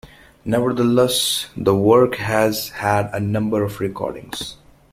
Nevertheless, the work has had a number of recordings.